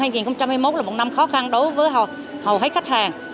năm hai nghìn hai mươi một là một năm khó khăn đối với hầu hết khách hàng